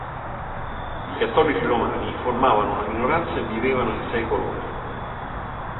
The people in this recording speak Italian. I cattolici romani formavano una minoranza e vivevano in sei colonie.